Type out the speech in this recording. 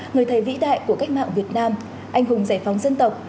người thầy vĩ đại của cách mạng việt nam anh hùng giải phóng dân tộc